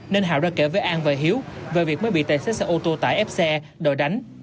nên hào đã kể với an và hiếu về việc mới bị tài xế xe ô tô tải ép xe đòi đánh